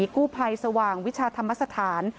กู้ภัยสว่างวิชาธรรมสถาน